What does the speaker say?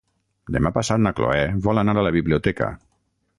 Demà passat na Cloè vol anar a la biblioteca.